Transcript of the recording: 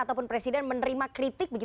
ataupun presiden menerima kritik